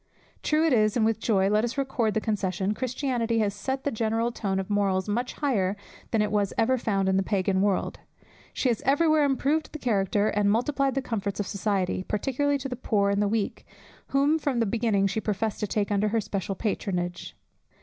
True it is, and with joy let us record the concession, Christianity has set the general tone of morals much higher than it was ever found in the Pagan world. She has every where improved the character and multiplied the comforts of society, particularly to the poor and the weak, whom from the beginning she professed to take under her special patronage.